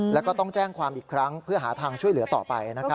แล้วก็ต้องแจ้งความอีกครั้งเพื่อหาทางช่วยเหลือต่อไป